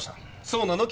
そうなの？